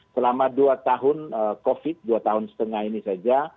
selama dua tahun covid dua tahun setengah ini saja